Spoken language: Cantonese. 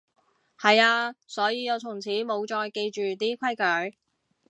係啊，所以我從此無再記住啲規矩